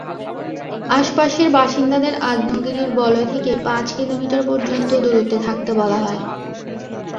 আশপাশের বাসিন্দাদের আগ্নেয়গিরির বলয় থেকে পাঁচ কিলোমিটার পর্যন্ত দূরত্বে থাকতে বলা হয়।